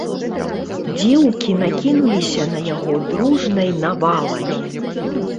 Дзеўкі накінуліся на яго дружнай навалай.